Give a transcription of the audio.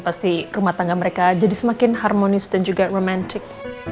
pasti rumah tangga mereka jadi semakin harmonis dan juga romantic